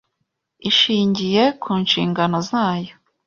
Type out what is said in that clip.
ishingiye ku nshingano zayo,